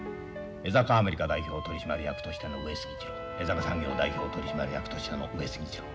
江坂アメリカ代表取締役としての上杉二郎江坂産業代表取締役としての上杉二郎。